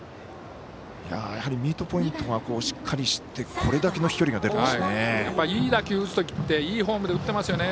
やはりミートポイントがしっかりしていてこれだけの飛距離が出るんですね。